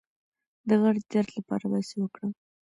د غاړې د درد لپاره باید څه وکړم؟